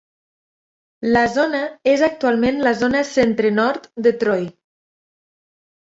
La zona és actualment la zona centre-nord de Troy.